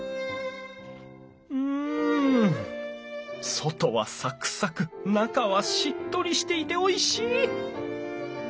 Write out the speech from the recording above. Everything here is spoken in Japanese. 外はサクサク中はしっとりしていておいしい！